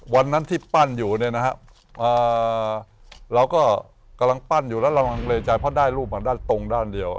วันนั้นที่ปั้นอยู่เราก็กำลังปั้นอยู่แล้วเรารังเลจัยเพราะได้รูปตรงด้านเดียว